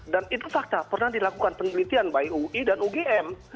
dan itu fakta pernah dilakukan penelitian baik ui dan ugm